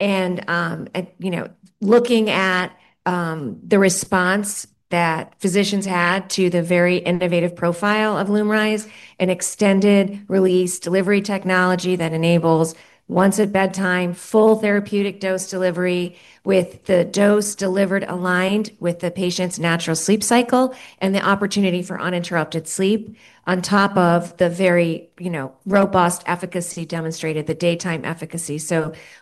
You know, looking at the response that physicians had to the very innovative profile of LUMRYZ, an extended release delivery technology that enables once at bedtime full therapeutic dose delivery with the dose delivered aligned with the patient's natural sleep cycle and the opportunity for uninterrupted sleep on top of the very robust efficacy demonstrated, the daytime efficacy.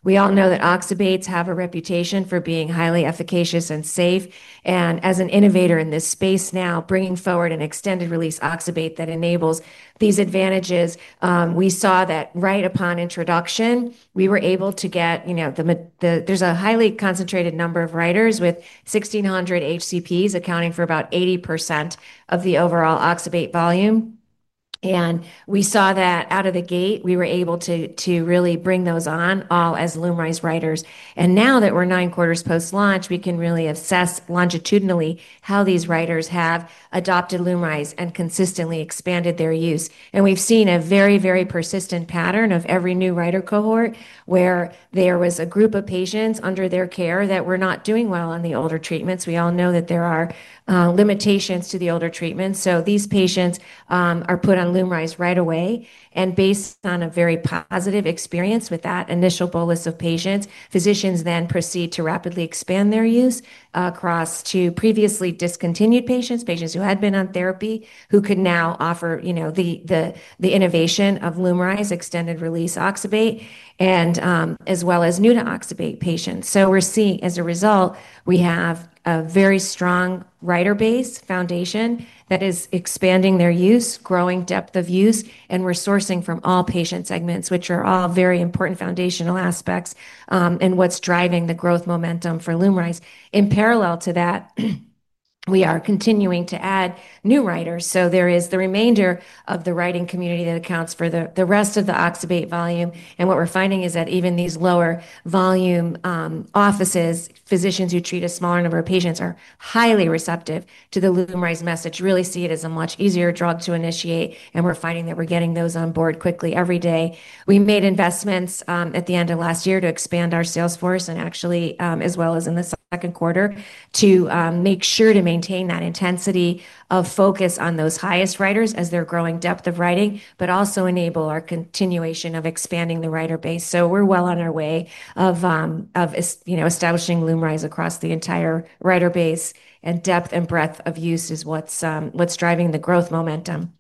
We all know that oxybates have a reputation for being highly efficacious and safe. As an innovator in this space now, bringing forward an extended release oxybate that enables these advantages, we saw that right upon introduction, we were able to get a highly concentrated number of writers with 1,600 HCPs accounting for about 80% of the overall oxybate volume. We saw that out of the gate, we were able to really bring those on all as LUMRYZ writers. Now that we're nine quarters post-launch, we can really assess longitudinally how these writers have adopted LUMRYZ and consistently expanded their use. We've seen a very persistent pattern of every new writer cohort where there was a group of patients under their care that were not doing well on the older treatments. We all know that there are limitations to the older treatments. These patients are put on LUMRYZ right away. Based on a very positive experience with that initial bolus of patients, physicians then proceed to rapidly expand their use across to previously discontinued patients, patients who had been on therapy, who could now offer the innovation of LUMRYZ extended release oxybate, as well as new to oxybate patients. We're seeing, as a result, we have a very strong writer base foundation that is expanding their use, growing depth of use, and resourcing from all patient segments, which are all very important foundational aspects, and what's driving the growth momentum for LUMRYZ. In parallel to that, we are continuing to add new writers. There is the remainder of the writing community that accounts for the rest of the oxybate volume. What we're finding is that even these lower volume offices, physicians who treat a smaller number of patients, are highly receptive to the LUMRYZ message, really see it as a much easier drug to initiate. We're finding that we're getting those on board quickly every day. We made investments at the end of last year to expand our sales force and actually, as well as in the second quarter, to make sure to maintain that intensity of focus on those highest writers as they're growing depth of writing, but also enable our continuation of expanding the writer base. We're well on our way of, you know, establishing LUMRYZ across the entire writer base. Depth and breadth of use is what's driving the growth momentum.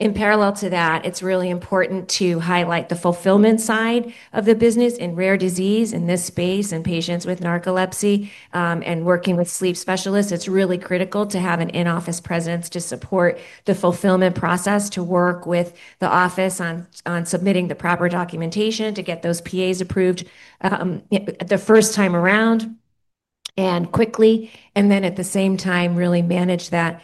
In parallel to that, it's really important to highlight the fulfillment side of the business in rare disease in this space and patients with narcolepsy, and working with sleep specialists. It's really critical to have an in-office presence to support the fulfillment process, to work with the office on submitting the proper documentation to get those PAs approved the first time around and quickly. At the same time, really manage that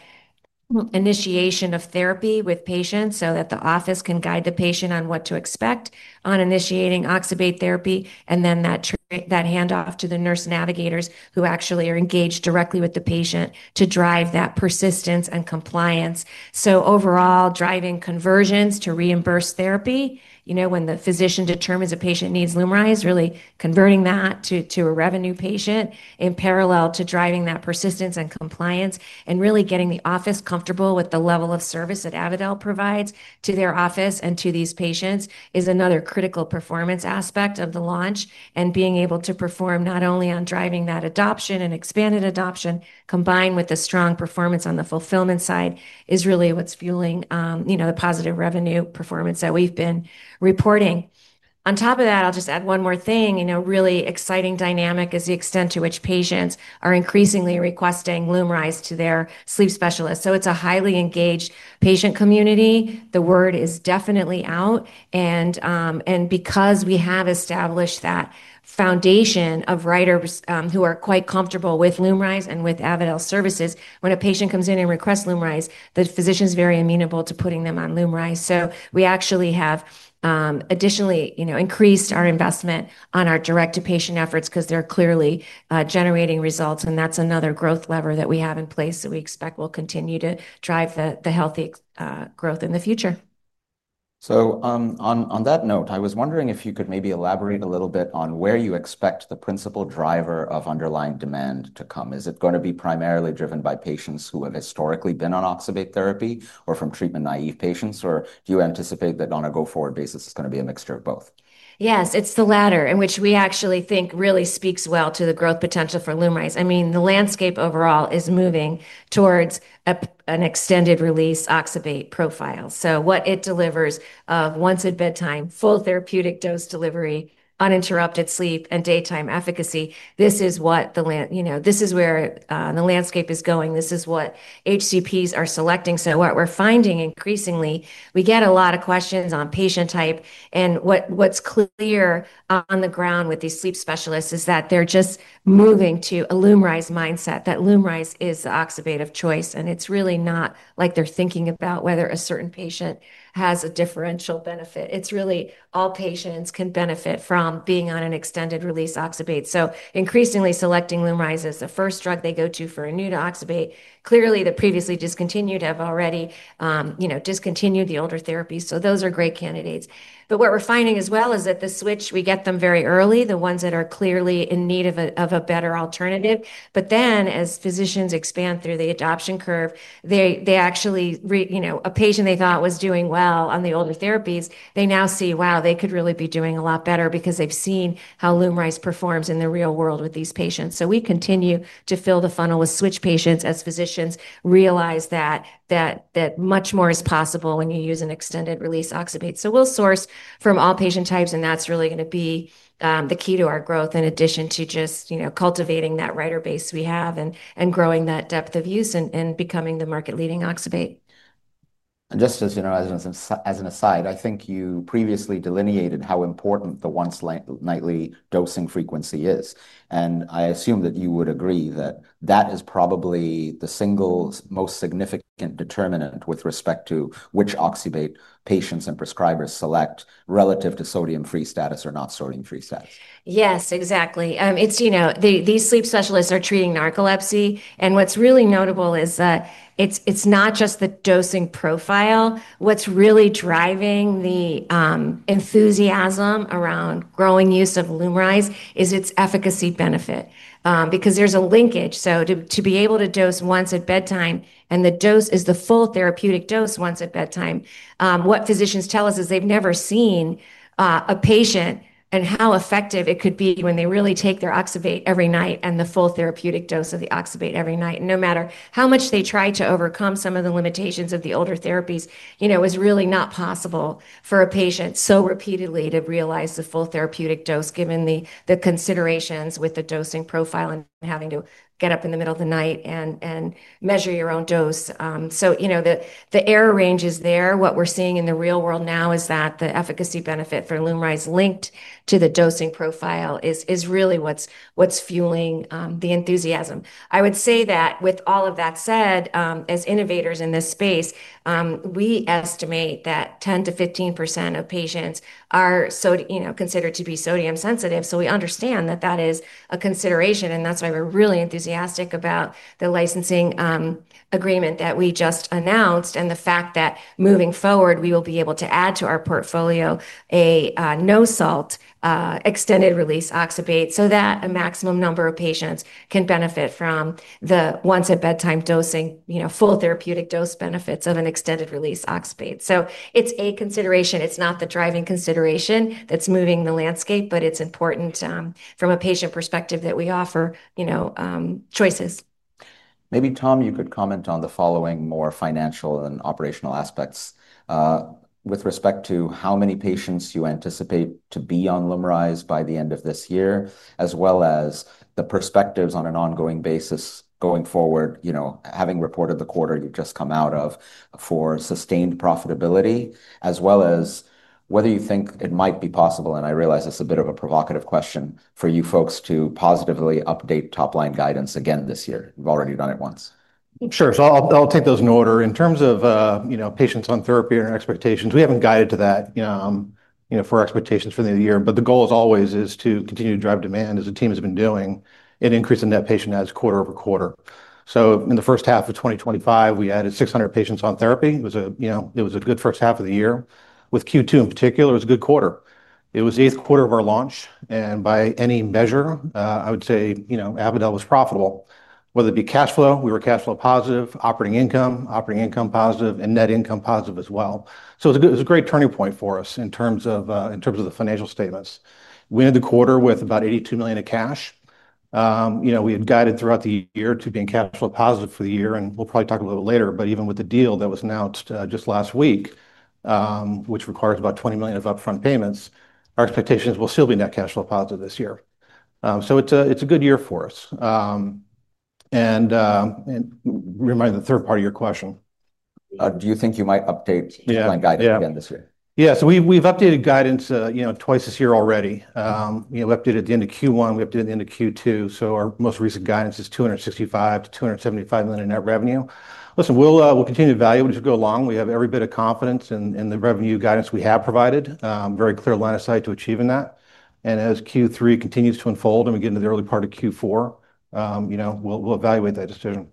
initiation of therapy with patients so that the office can guide the patient on what to expect on initiating oxybate therapy. That handoff to the nurse navigators who actually are engaged directly with the patient to drive that persistence and compliance. Overall, driving conversions to reimbursed therapy, you know, when the physician determines a patient needs LUMRYZ, really converting that to a revenue patient in parallel to driving that persistence and compliance and really getting the office comfortable with the level of service that Avadel Pharmaceuticals provides to their office and to these patients is another critical performance aspect of the launch. Being able to perform not only on driving that adoption and expanded adoption combined with the strong performance on the fulfillment side is really what's fueling the positive revenue performance that we've been reporting. On top of that, I'll just add one more thing. A really exciting dynamic is the extent to which patients are increasingly requesting LUMRYZ to their sleep specialists. It's a highly engaged patient community. The word is definitely out. Because we have established that foundation of writers who are quite comfortable with LUMRYZ and with Avadel Pharmaceuticals services, when a patient comes in and requests LUMRYZ, the physician's very amenable to putting them on LUMRYZ. We actually have, additionally, increased our investment on our direct-to-patient efforts because they're clearly generating results. That's another growth lever that we have in place that we expect will continue to drive the healthy growth in the future. On that note, I was wondering if you could maybe elaborate a little bit on where you expect the principal driver of underlying demand to come. Is it going to be primarily driven by patients who have historically been on oxybate therapy or from treatment-naive patients? Do you anticipate that on a go-forward basis, it's going to be a mixture of both? Yes, it's the latter, in which we actually think really speaks well to the growth potential for LUMRYZ. I mean, the landscape overall is moving towards an extended release oxybate profile. What it delivers of once at bedtime, full therapeutic dose delivery, uninterrupted sleep, and daytime efficacy, this is where the landscape is going. This is what HCPs are selecting. What we're finding increasingly, we get a lot of questions on patient type. What's clear on the ground with these sleep specialists is that they're just moving to a LUMRYZ mindset, that LUMRYZ is the oxybate of choice. It's really not like they're thinking about whether a certain patient has a differential benefit. It's really all patients can benefit from being on an extended release oxybate. Increasingly selecting LUMRYZ as the first drug they go to for a new to oxybate. Clearly, the previously discontinued have already discontinued the older therapies. Those are great candidates. What we're finding as well is that the switch, we get them very early, the ones that are clearly in need of a better alternative. As physicians expand through the adoption curve, they actually, a patient they thought was doing well on the older therapies, they now see, wow, they could really be doing a lot better because they've seen how LUMRYZ performs in the real world with these patients. We continue to fill the funnel with switch patients as physicians realize that much more is possible when you use an extended release oxybate. We'll source from all patient types, and that's really going to be the key to our growth in addition to just cultivating that writer base we have and growing that depth of use and becoming the market-leading oxybate. Just as an aside, I think you previously delineated how important the once nightly dosing frequency is. I assume that you would agree that that is probably the single most significant determinant with respect to which oxybate patients and prescribers select relative to sodium-free status or not sodium-free status. Yes, exactly. It's, you know, these sleep specialists are treating narcolepsy. What's really notable is that it's not just the dosing profile. What's really driving the enthusiasm around growing use of LUMRYZ is its efficacy benefit, because there's a linkage. To be able to dose once at bedtime and the dose is the full therapeutic dose once at bedtime, what physicians tell us is they've never seen a patient and how effective it could be when they really take their oxybate every night and the full therapeutic dose of the oxybate every night. No matter how much they tried to overcome some of the limitations of the older therapies, it was really not possible for a patient so repeatedly to realize the full therapeutic dose given the considerations with the dosing profile and having to get up in the middle of the night and measure your own dose. The error range is there. What we're seeing in the real world now is that the efficacy benefit for LUMRYZ linked to the dosing profile is really what's fueling the enthusiasm. I would say that with all of that said, as innovators in this space, we estimate that 10% to 15% of patients are considered to be sodium sensitive. We understand that that is a consideration. That's why we're really enthusiastic about the licensing agreement that we just announced and the fact that moving forward, we will be able to add to our portfolio a no salt, extended-release oxybate so that a maximum number of patients can benefit from the once at bedtime dosing, full therapeutic dose benefits of an extended-release oxybate. It's a consideration. It's not the driving consideration that's moving the landscape, but it's important from a patient perspective that we offer choices. Maybe Tom, you could comment on the following more financial and operational aspects, with respect to how many patients you anticipate to be on LUMRYZ by the end of this year, as well as the perspectives on an ongoing basis going forward, having reported the quarter you've just come out of for sustained profitability, as well as whether you think it might be possible, and I realize it's a bit of a provocative question for you folks to positively update top line guidance again this year. You've already done it once. Sure. I'll take those in order. In terms of patients on therapy and expectations, we haven't guided to that for expectations for the new year, but the goal is always to continue to drive demand as the team has been doing and increase the net patient as quarter over quarter. In the first half of 2025, we added 600 patients on therapy. It was a good first half of the year. With Q2 in particular, it was a good quarter. It was the eighth quarter of our launch. By any measure, I would say Avadel Pharmaceuticals was profitable. Whether it be cash flow, we were cash flow positive, operating income, operating income positive, and net income positive as well. It was a great turning point for us in terms of the financial statements. We ended the quarter with about $82 million of cash. We had guided throughout the year to being cash flow positive for the year, and we'll probably talk a little bit later, but even with the deal that was announced just last week, which requires about $20 million of upfront payments, our expectations will still be net cash flow positive this year. It's a good year for us. Remind the third part of your question. Do you think you might update the current guidance again this year? Yeah. We've updated guidance twice this year already. We updated at the end of Q1 and at the end of Q2. Our most recent guidance is $265 to $275 million in net revenue. Listen, we'll continue to evaluate as we go along. We have every bit of confidence in the revenue guidance we have provided, very clear line of sight to achieving that. As Q3 continues to unfold and we get into the early part of Q4, we'll evaluate that decision.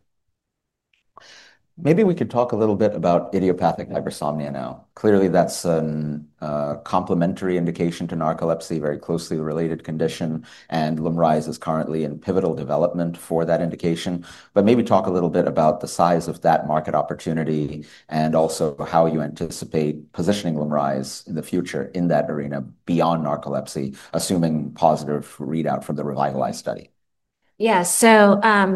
Maybe we could talk a little bit about idiopathic hypersomnia now. Clearly, that's a complementary indication to narcolepsy, a very closely related condition. LUMRYZ is currently in pivotal development for that indication. Maybe talk a little bit about the size of that market opportunity and also how you anticipate positioning LUMRYZ in the future in that arena beyond narcolepsy, assuming positive readout from the REVITALYZ study. Yeah.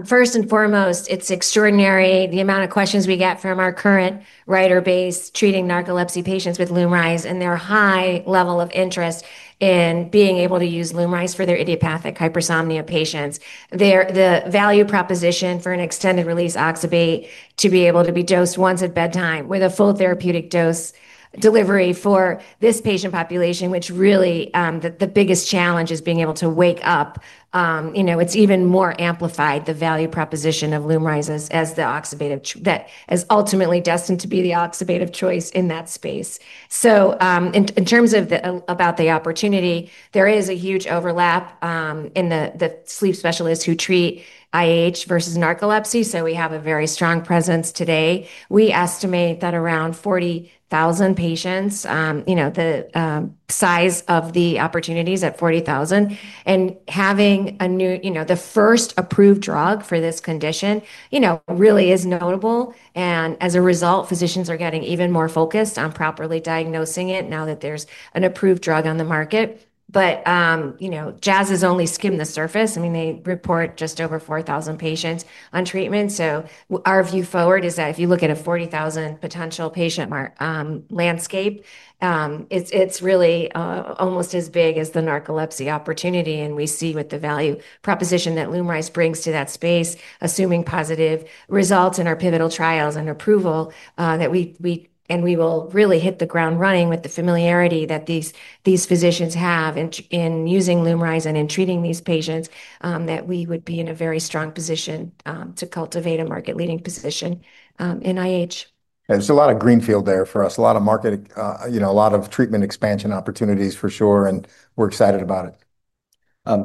First and foremost, it's extraordinary the amount of questions we get from our current writer base treating narcolepsy patients with LUMRYZ and their high level of interest in being able to use LUMRYZ for their idiopathic hypersomnia patients. The value proposition for an extended-release oxybate to be able to be dosed once at bedtime with a full therapeutic dose delivery for this patient population, which really, the biggest challenge is being able to wake up, is even more amplified. The value proposition of LUMRYZ as the oxybate that is ultimately destined to be the oxybate of choice in that space is clear. In terms of the opportunity, there is a huge overlap in the sleep specialists who treat IH versus narcolepsy. We have a very strong presence today. We estimate that around 40,000 patients, the size of the opportunity is 40,000, and having a new, the first approved drug for this condition really is notable. As a result, physicians are getting even more focused on properly diagnosing it now that there's an approved drug on the market. Jazz has only skimmed the surface. They report just over 4,000 patients on treatment. Our view forward is that if you look at a 40,000 potential patient market landscape, it's really almost as big as the narcolepsy opportunity. We see with the value proposition that LUMRYZ brings to that space, assuming positive results in our pivotal trials and approval, that we will really hit the ground running with the familiarity that these physicians have in using LUMRYZ and in treating these patients, that we would be in a very strong position to cultivate a market-leading position in IH. There is a lot of greenfield there for us, a lot of market, a lot of treatment expansion opportunities for sure. We're excited about it.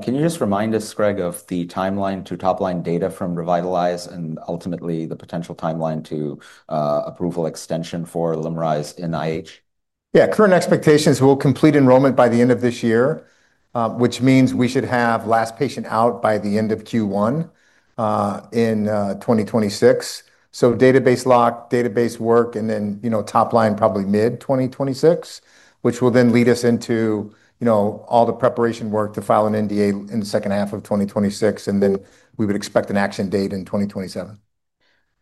Can you just remind us, Greg, of the timeline to top line data from REVITALYZ and ultimately the potential timeline to approval extension for LUMRYZ in idiopathic hypersomnia? Yeah, current expectations will complete enrollment by the end of this year, which means we should have last patient out by the end of Q1, in 2026. Database lock, database work, and then, you know, top line probably mid-2026, which will then lead us into, you know, all the preparation work to file an NDA in the second half of 2026. We would expect an action date in 2027.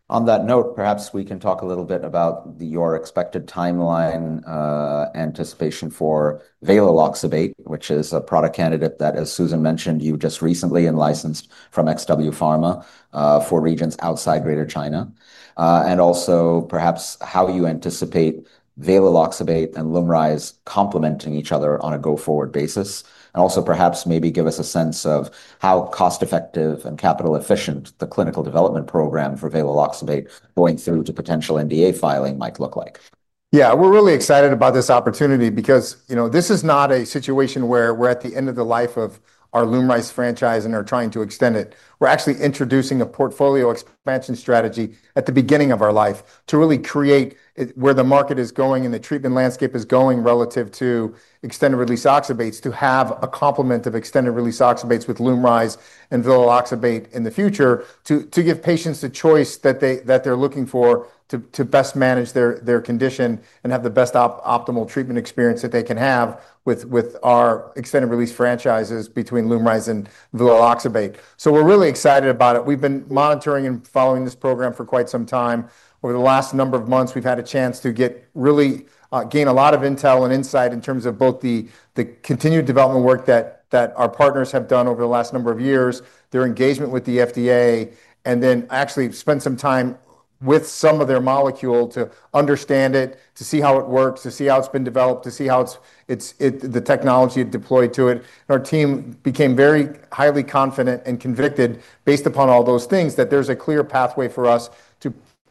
On that note, perhaps we can talk a little bit about your expected timeline, anticipation for VeloLoxibate, which is a product candidate that, as Susan mentioned, you just recently licensed from XW Pharma for regions outside Greater China. Perhaps also how you anticipate VeloLoxibate and LUMRYZ complementing each other on a go-forward basis. Perhaps maybe give us a sense of how cost-effective and capital-efficient the clinical development program for VeloLoxibate going through to potential NDA filing might look like. Yeah, we're really excited about this opportunity because, you know, this is not a situation where we're at the end of the life of our LUMRYZ franchise and are trying to extend it. We're actually introducing a portfolio expansion strategy at the beginning of our life to really create where the market is going and the treatment landscape is going relative to extended-release oxybates to have a complement of extended-release oxybates with LUMRYZ and VeloLoxibate in the future to give patients the choice that they're looking for to best manage their condition and have the best optimal treatment experience that they can have with our extended-release franchises between LUMRYZ and VeloLoxibate. We're really excited about it. We've been monitoring and following this program for quite some time. Over the last number of months, we've had a chance to gain a lot of intel and insight in terms of both the continued development work that our partners have done over the last number of years, their engagement with the FDA, and actually spend some time with some of their molecule to understand it, to see how it works, to see how it's been developed, to see how the technology is deployed to it. Our team became very highly confident and convicted based upon all those things that there's a clear pathway for us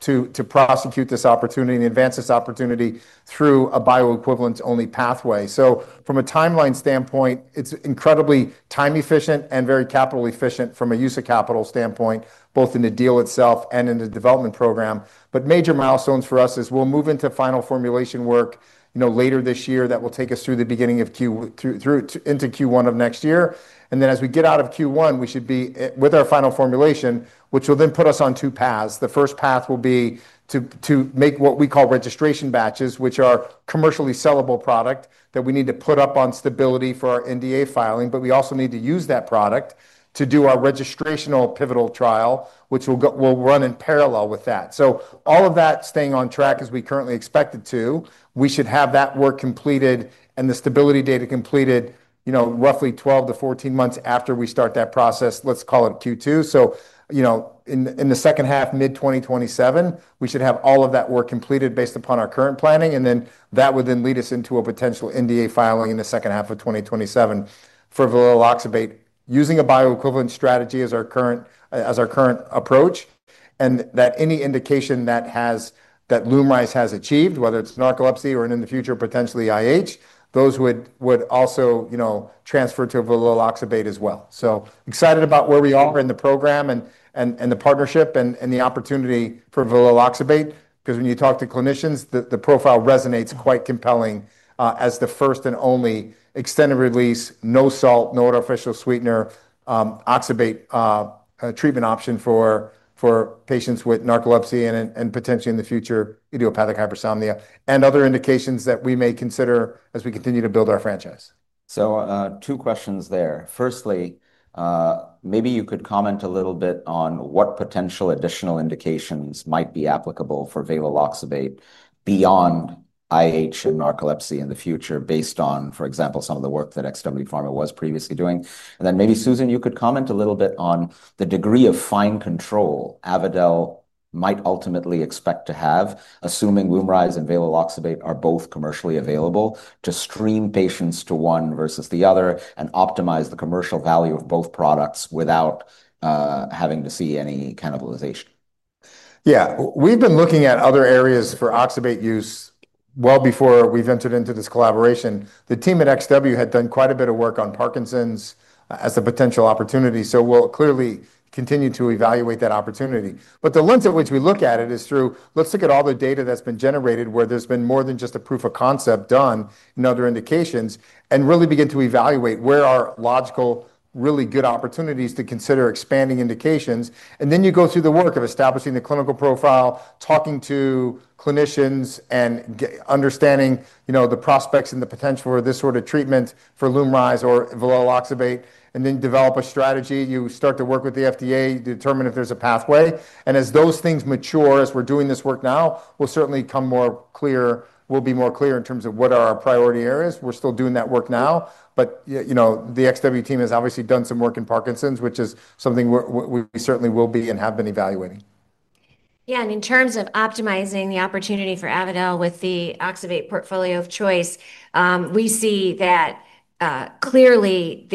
to prosecute this opportunity and advance this opportunity through a bioequivalence-only pathway. From a timeline standpoint, it's incredibly time-efficient and very capital-efficient from a use of capital standpoint, both in the deal itself and in the development program. Major milestones for us are we'll move into final formulation work later this year that will take us through the beginning of Q through into Q1 of next year. As we get out of Q1, we should be with our final formulation, which will then put us on two paths. The first path will be to make what we call registration batches, which are a commercially sellable product that we need to put up on stability for our NDA filing. We also need to use that product to do our registrational pivotal trial, which will run in parallel with that. All of that staying on track as we currently expect it to, we should have that work completed and the stability data completed roughly 12 to 14 months after we start that process. Let's call it Q2. In the second half, mid-2027, we should have all of that work completed based upon our current planning. That would then lead us into a potential NDA filing in the second half of 2027 for VeloLoxibate using a bioequivalence pathway as our current approach. Any indication that LUMRYZ has achieved, whether it's narcolepsy or in the future, potentially idiopathic hypersomnia, those would also transfer to VeloLoxibate as well. Excited about where we are in the program and the partnership and the opportunity for VeloLoxibate because when you talk to clinicians, the profile resonates quite compelling as the first and only extended-release, no salt, no artificial sweetener, oxybate treatment option for patients with narcolepsy and potentially in the future, idiopathic hypersomnia and other indications that we may consider as we continue to build our franchise. Two questions there. Firstly, maybe you could comment a little bit on what potential additional indications might be applicable for VeloLoxibate beyond idiopathic hypersomnia and narcolepsy in the future based on, for example, some of the work that XW Pharma was previously doing. Maybe Susan, you could comment a little bit on the degree of fine control Avadel might ultimately expect to have, assuming LUMRYZ and VeloLoxibate are both commercially available to stream patients to one versus the other and optimize the commercial value of both products without having to see any cannibalization. Yeah, we've been looking at other areas for oxybate use well before we ventured into this collaboration. The team at XW had done quite a bit of work on Parkinson's as a potential opportunity. We will clearly continue to evaluate that opportunity. The lens at which we look at it is through, let's look at all the data that's been generated where there's been more than just a proof of concept done in other indications and really begin to evaluate where are logical, really good opportunities to consider expanding indications. You go through the work of establishing the clinical profile, talking to clinicians and understanding, you know, the prospects and the potential for this sort of treatment for LUMRYZ or VeloLoxibate and then develop a strategy. You start to work with the FDA to determine if there's a pathway. As those things mature, as we're doing this work now, it will certainly become more clear, we'll be more clear in terms of what are our priority areas. We're still doing that work now. The XW team has obviously done some work in Parkinson's, which is something we certainly will be and have been evaluating. Yeah, in terms of optimizing the opportunity for Avadel Pharmaceuticals with the oxybate portfolio of choice, we see that, clearly,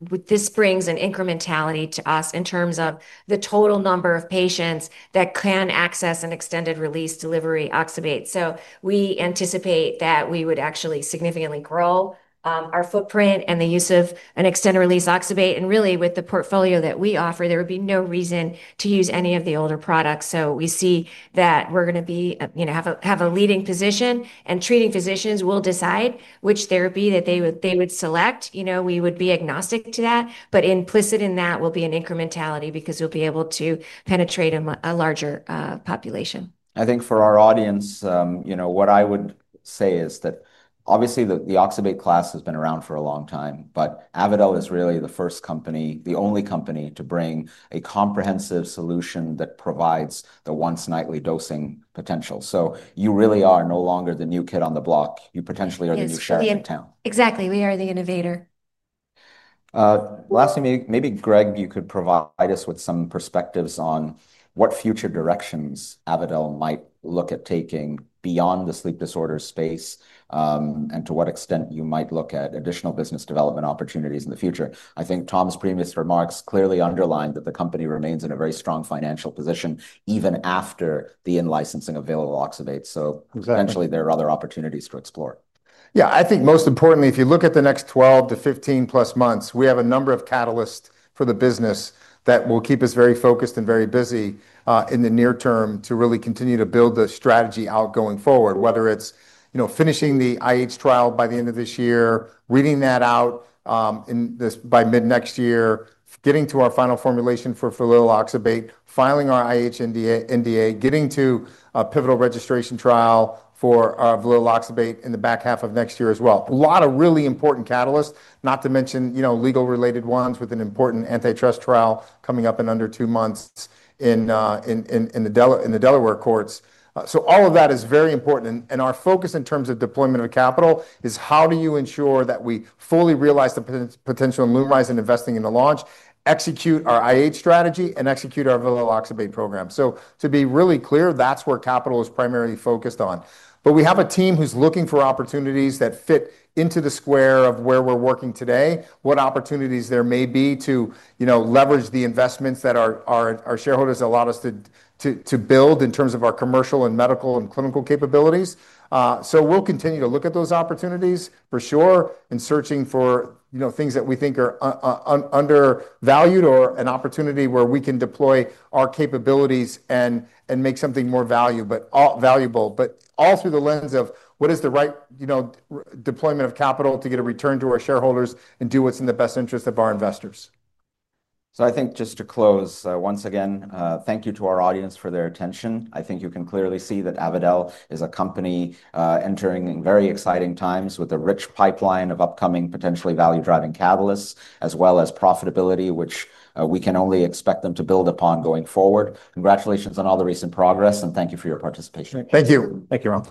this brings an incrementality to us in terms of the total number of patients that can access an extended release delivery oxybate. We anticipate that we would actually significantly grow our footprint and the use of an extended release oxybate. With the portfolio that we offer, there would be no reason to use any of the older products. We see that we're going to have a leading position and treating physicians will decide which therapy that they would select. We would be agnostic to that, but implicit in that will be an incrementality because we'll be able to penetrate a larger population. I think for our audience, what I would say is that obviously the oxybate class has been around for a long time, but Avadel Pharmaceuticals is really the first company, the only company to bring a comprehensive solution that provides the once nightly dosing potential. You really are no longer the new kid on the block. You potentially are the new chef in town. Exactly. We are the innovator. Last thing, maybe Greg, you could provide us with some perspectives on what future directions Avadel Pharmaceuticals might look at taking beyond the sleep disorder space, and to what extent you might look at additional business development opportunities in the future. I think Tom's previous remarks clearly underlined that the company remains in a very strong financial position even after the in-licensing of VeloLoxibate. Potentially there are other opportunities to explore. Yeah, I think most importantly, if you look at the next 12 to 15 plus months, we have a number of catalysts for the business that will keep us very focused and very busy in the near term to really continue to build the strategy out going forward, whether it's finishing the IH trial by the end of this year, reading that out by mid next year, getting to our final formulation for VeloLoxibate, filing our IH NDA, getting to a pivotal registration trial for our VeloLoxibate in the back half of next year as well. A lot of really important catalysts, not to mention legal related ones with an important antitrust trial coming up in under two months in the Delaware courts. All of that is very important. Our focus in terms of deployment of capital is how do you ensure that we fully realize the potential in LUMRYZ and investing in the launch, execute our IH strategy, and execute our VeloLoxibate program. To be really clear, that's where capital is primarily focused on. We have a team who's looking for opportunities that fit into the square of where we're working today, what opportunities there may be to leverage the investments that our shareholders allowed us to build in terms of our commercial and medical and clinical capabilities. We'll continue to look at those opportunities for sure and searching for things that we think are undervalued or an opportunity where we can deploy our capabilities and make something more valuable, but all through the lens of what is the right deployment of capital to get a return to our shareholders and do what's in the best interest of our investors. I think just to close, once again, thank you to our audience for their attention. I think you can clearly see that Avadel Pharmaceuticals is a company entering in very exciting times with a rich pipeline of upcoming potentially value-driving catalysts, as well as profitability, which we can only expect them to build upon going forward. Congratulations on all the recent progress, and thank you for your participation. Thank you. Thank you, Mark.